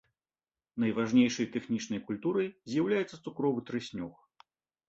Найважнейшай тэхнічнай культурай з'яўляецца цукровы трыснёг.